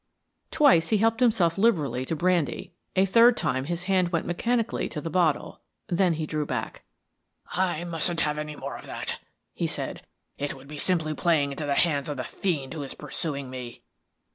Twice he helped himself liberally to brandy, a third time his hand went mechanically to the bottle then he drew back. "I mustn't have any more of that," he said. "It would be simply playing into the hands of the fiend who is pursuing me."